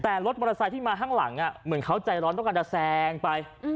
แต่รถมอเตอร์ไซค์ที่มาข้างหลังเหมือนเขาใจร้อนต้องการจะแซงไป